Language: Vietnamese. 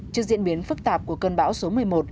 trước diễn biến phức tạp của cơn bão số một mươi một